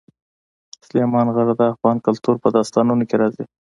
سلیمان غر د افغان کلتور په داستانونو کې راځي.